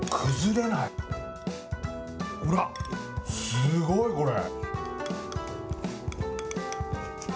ほら、すごいこれ。